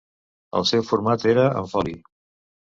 El seu format era en foli.